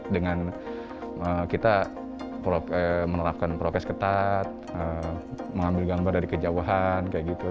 dengan kita menerapkan prokes ketat mengambil gambar dari kejauhan